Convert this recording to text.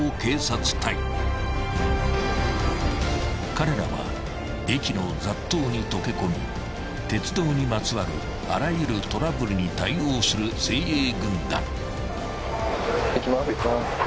［彼らは駅の雑踏に溶け込み鉄道にまつわるあらゆるトラブルに対応する精鋭軍団］